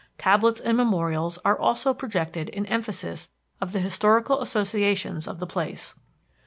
Tablets and memorials are also projected in emphasis of the historical associations of the place.